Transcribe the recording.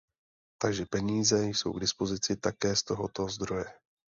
Takže peníze jsou k dispozici také z tohoto zdroje.